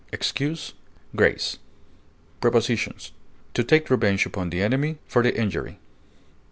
excuse, grace, Prepositions: To take revenge upon the enemy, for the injury.